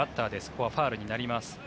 ここはファウルになります。